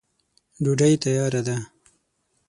ډوډی تیاره ده.